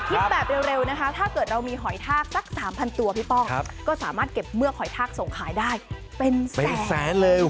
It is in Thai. แบบเร็วนะคะถ้าเกิดเรามีหอยทากสัก๓๐๐ตัวพี่ป้องก็สามารถเก็บเมื่อหอยทากส่งขายได้เป็นแสนแสนเร็ว